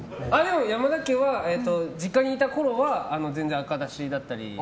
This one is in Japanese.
山田家は、実家にいたころは全然赤だしだったり。